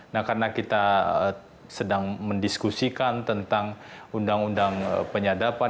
nah karena kita sedang mendiskusikan tentang undang undang penyadapan